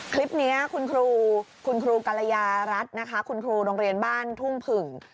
คลิปนี้คุณครูคุณครูกรยารัฐนะคะคุณครูโรงเรียนบ้านทุ่งผึ่ง